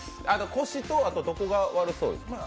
腰とあとどこが悪そうですか？